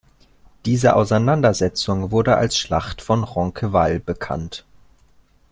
Diese Auseinandersetzung wurde als Schlacht von Roncesvalles bekannt.